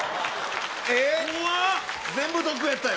全部毒やったよ。